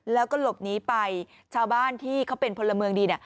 แล้วก็หลบหนีไปชาวบ้านที่เขาเป็นพลเมืองดีเนี่ย